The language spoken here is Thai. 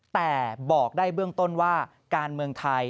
แต่บอกได้เบื้องต้นว่าการเมืองไทย